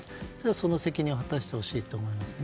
その責任を果たしてほしいと思いますね。